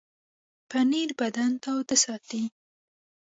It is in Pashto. پنېر بدن تاوده ساتي.